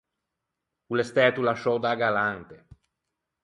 O l’é stæto lasciou da-a galante.